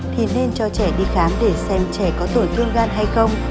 thì nên cho trẻ đi khám để xem trẻ có tổn thương gan hay không